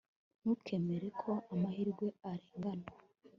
ntukemere ko amahirwe arengana